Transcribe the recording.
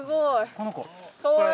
この子これ。